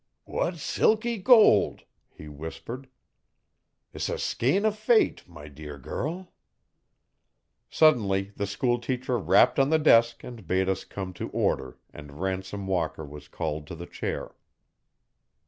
'What silky gold!' he whispered.' 'S a skein o' fate, my dear girl!' Suddenly the schoolteacher rapped on the desk and bade us come to order and Ransom Walker was called to the chair.